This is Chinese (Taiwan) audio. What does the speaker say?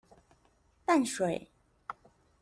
淡水